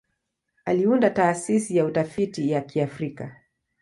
Aliunda Taasisi ya Utafiti wa Kiafrika.